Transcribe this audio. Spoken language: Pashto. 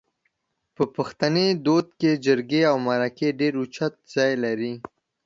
په پښتني دود کې جرګې او مرکې ډېر اوچت ځای لري